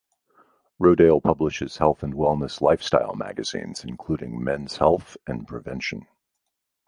Rodale publishes health and wellness lifestyle magazines, including "Men's Health" and "Prevention".